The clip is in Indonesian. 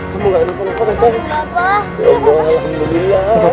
ya allah alhamdulillah